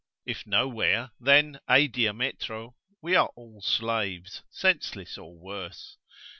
If no where, then e diametro, we are all slaves, senseless, or worse.